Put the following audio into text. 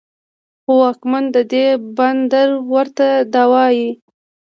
خو واکمن د دې بندر ورته دا وايي